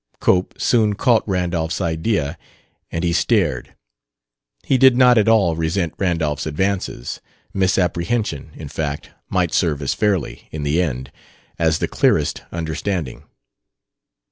Cope soon caught Randolph's idea, and he stared. He did not at all resent Randolph's advances; misapprehension, in fact, might serve as fairly, in the end, as the clearest understanding.